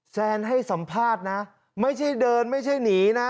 แซนให้สัมภาษณ์นะไม่ใช่เดินไม่ใช่หนีนะ